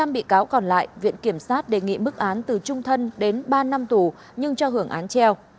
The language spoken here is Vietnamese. năm bị cáo còn lại viện kiểm sát đề nghị mức án từ trung thân đến ba năm tù nhưng cho hưởng án treo